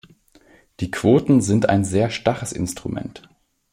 Die Quoten sind ein sehr starres Instrument.